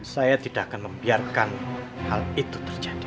saya tidak akan membiarkan hal itu terjadi